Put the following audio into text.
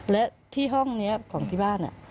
และที่ห้องนี้ของที่บ้าน